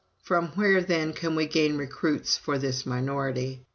"From where, then, can we gain recruits for this minority?